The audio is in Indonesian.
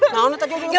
nah onu tajuh dulu